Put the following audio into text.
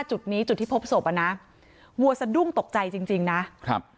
จุดนี้จุดที่พบศพอ่ะนะวัวสะดุ้งตกใจจริงจริงนะครับ